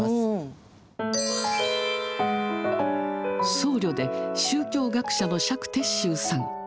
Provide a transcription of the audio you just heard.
僧侶で宗教学者の釈徹宗さん。